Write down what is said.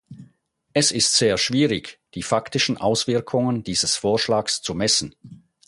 Es ist sehr schwierig, die faktischen Auswirkungen dieses Vorschlags zu messen.